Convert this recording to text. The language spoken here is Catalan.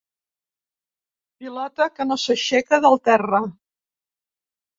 Pilota que no s'aixeca del terra.